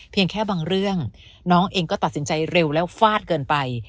แค่บางเรื่องน้องเองก็ตัดสินใจเร็วแล้วฟาดเกินไป